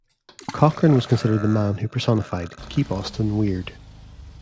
Cochran was considered the man who personified Keep Austin Weird.